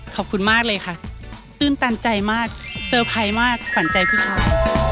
ขอบคุณมากเลยค่ะตื่นตันใจมากเซอร์ไพรส์มากขวัญใจผู้ชาย